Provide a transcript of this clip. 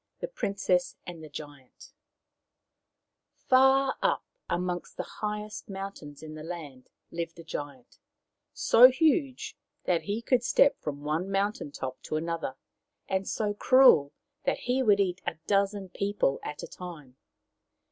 THE PRINCESS AND THE GIANT Far up amongst the highest mountains in the land lived a giant, so huge that he could step from one mountain top to another, and so cruel that he would eat a dozen people at a time.